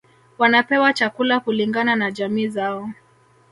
Wanapewa chakula kulingana na jamii zao